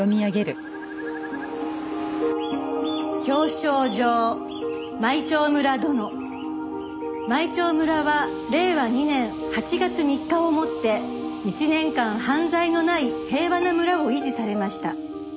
「表彰状舞澄村殿」「舞澄村は令和２年８月３日をもって一年間犯罪のない平和な村を維持されました」